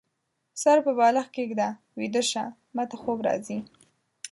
سر په بالښت کيږده ، ويده شه ، ماته خوب راځي